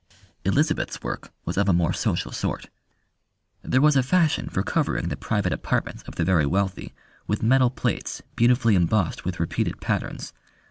Elizabeth's work was of a more social sort. There was a fashion for covering the private apartments of the very wealthy with metal plates beautifully embossed with repeated patterns.